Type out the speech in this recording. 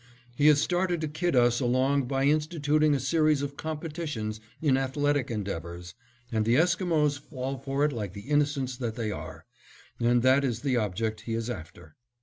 He has started to kid us along by instituting a series of competitions in athletic endeavors, and the Esquimos fall for it like the Innocents that they are, and that is the object he is after.